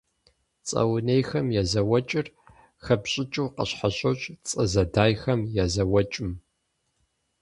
Цӏэ унейхэм я зэуэкӏыр хэпщӏыкӏыу къыщхьэщокӏ цӏэ зэдайхэм я зэуэкӏым.